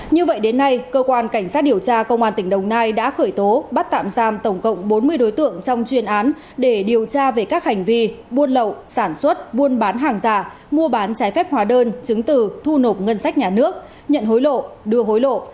như vậy đến nay cơ quan cảnh sát điều tra công an tỉnh đồng nai đã khởi tố bắt tạm giam tổng cộng bốn mươi đối tượng trong chuyên án để điều tra về các hành vi buôn lậu sản xuất buôn bán hàng giả mua bán trái phép hóa đơn chứng từ thu nộp ngân sách nhà nước nhận hối lộ đưa hối lộ